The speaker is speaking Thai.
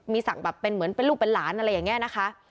มีสั่งแบบเป็นเหมือนเป็นลูกเป็นหลานอะไรอย่างนี้นะคะ